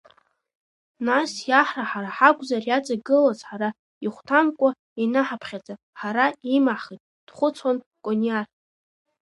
Нас иаҳра ҳара ҳакәзар иаҵагылаз, ҳара ихәҭамкәа ианаҳаԥхьаӡа, ҳара имаҳхит, дхәыцуан Кониар.